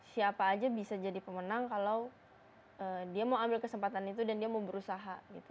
siapa aja bisa jadi pemenang kalau dia mau ambil kesempatan itu dan dia mau berusaha gitu